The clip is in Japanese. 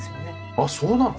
あっそうなの？